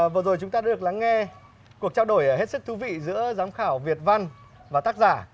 vừa rồi chúng ta đã được lắng nghe cuộc trao đổi hết sức thú vị giữa giám khảo việt văn và tác giả